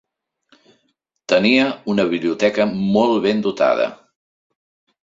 Tenia una biblioteca molt ben dotada.